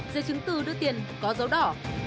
giấy chứng từ đưa tiền có dấu đỏ